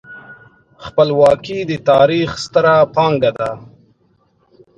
خپلواکي د تاریخ ستره پانګه ده.